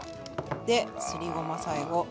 ですりごま最後。